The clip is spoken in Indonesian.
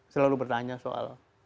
selalu bertanya soal